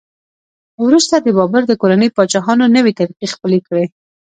وروسته د بابر د کورنۍ پاچاهانو نوې طریقې خپلې کړې.